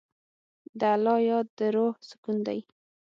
د الله یاد د روح سکون دی.